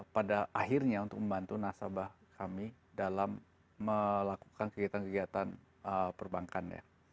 pada akhirnya untuk membantu nasabah kami dalam melakukan kegiatan kegiatan perbankannya